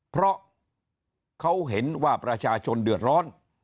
เพราะเขาเห็นว่าประชาชนเดือดร้อน